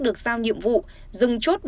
được sao nhiệm vụ dừng chốt